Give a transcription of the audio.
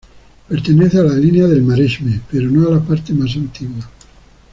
Pertenece a la línea del Maresme, pero no a la parte más antigua.